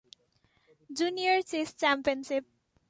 Junior Chess Championship.